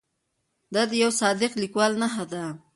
دا د یوه صادق لیکوال نښه ده.